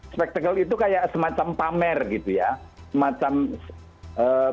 spektakle itu seperti pamer